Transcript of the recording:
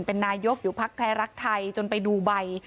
เป็นนายกอยู่พักไทยรักไทยจนไปดูใบ